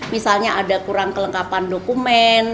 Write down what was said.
misalnya ada kurang kelengkapan dokumen